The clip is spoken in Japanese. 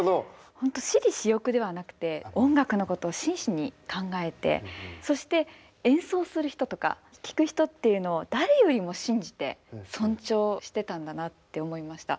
本当私利私欲ではなくて音楽のことを真摯に考えてそして演奏する人とか聴く人っていうのを誰よりも信じて尊重してたんだなって思いました。